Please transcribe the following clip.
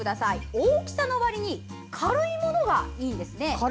大きさのわりに軽いものがいいんです。